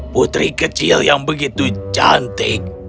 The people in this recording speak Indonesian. putri kecil yang begitu cantik